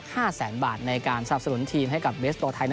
ห้าแสงบาทในการสะสนทีมให้กับเบสบอลไทย